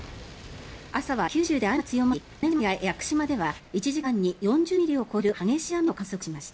朝は九州で雨が強まり種子島や屋久島では１時間に４０ミリを超える激しい雨を観測しました。